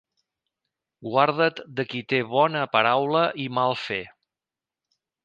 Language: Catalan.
Guarda't de qui té bona paraula i mal fer.